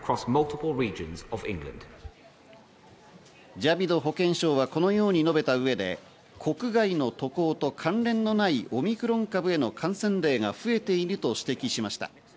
ジャビド保健相はこのように述べた上で、国外の渡航と関連のないオミクロン株への感染例が増えていると指摘しました。